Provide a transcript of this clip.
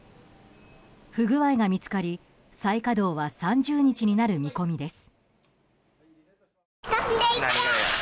不具合が見つかり、再稼働は３０日になる見込みです。